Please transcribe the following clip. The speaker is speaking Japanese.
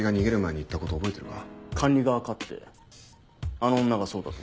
あの女がそうだと？